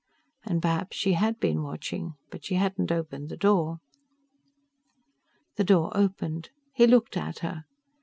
And perhaps she had been watching ... but she hadn't opened the door. The door opened; he looked at her.